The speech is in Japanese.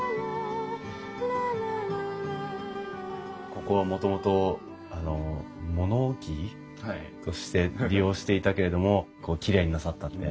ここはもともと物置として利用していたけれどもきれいになさったって。